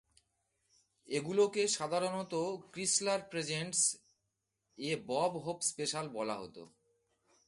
এগুলোকে সাধারণত "Chrysler presents a Bob Hope special" বলা হত।